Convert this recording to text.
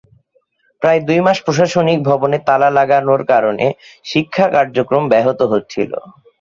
প্রায় দুই মাস প্রশাসনিক ভবনে তালা লাগানোর কারণে শিক্ষা কার্যক্রম ব্যাহত হচ্ছিল।